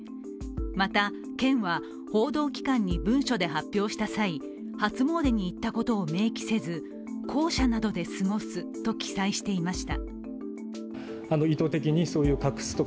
また、県は報道機関に文書で発表した際、初詣に行ったことを明記せず公舎などで過ごすと記載していました。